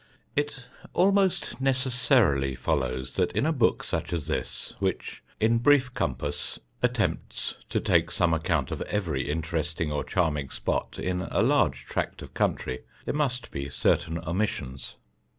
It almost necessarily follows that in a book such as this, which in brief compass attempts to take some account of every interesting or charming spot in a large tract of country, there must be certain omissions.